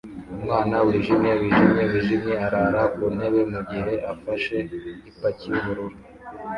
Umwana wijimye wijimye wijimye arara kuntebe mugihe afashe ipaki yubururu